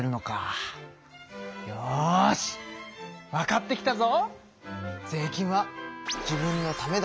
よしわかってきたぞ！